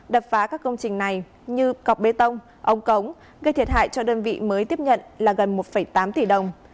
đập phá các công trình này như cọc bê tông ống cống gây thiệt hại cho đơn vị mới tiếp nhận là gần một tám tỷ đồng